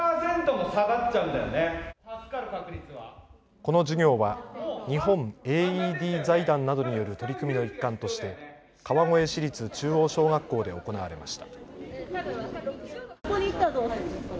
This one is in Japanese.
この授業は日本ＡＥＤ財団などによる取り組みの一環として川越市立中央小学校で行われました。